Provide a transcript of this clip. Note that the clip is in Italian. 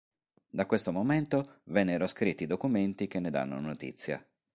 Da questo momento vennero scritti documenti che ne danno notizia.